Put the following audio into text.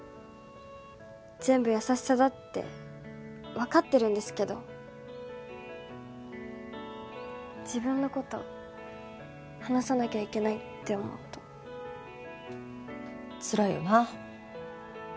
全部優しさだって分かってるんですけど自分のこと話さなきゃいけないって思うとつらいよな